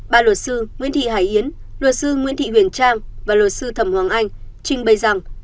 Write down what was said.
ba luật sư nguyễn thị hải yến luật sư nguyễn thị huyền trang và luật sư thầm hoàng anh trình bày rằng